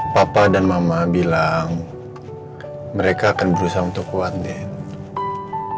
papa dan mama bilang mereka akan berusaha untuk kuat deh